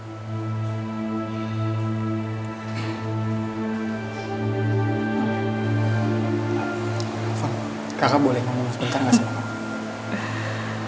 maaf kakak boleh ngomong sebentar gak sama kakak